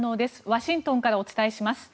ワシントンからお伝えします。